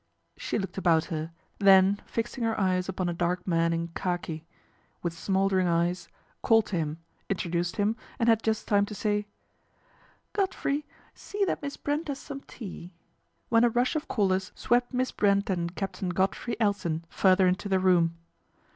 " She looked about her, then fixing her eyes upon a dark man in khaki, with smouldering eyes, called to him, introduced him, and had just time to say :" Godfrey, see that Miss Brent has some tea," when a rush of callers swept Miss Brent and Captain Godfrey Elton further into the room.